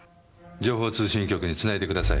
情報通信局につないでください。